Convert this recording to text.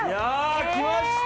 きました！